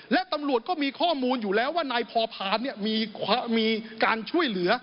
และตำรวจก็มีข้อมูลอยู่แล้วว่านายพอพานมีการช่วยเหลือ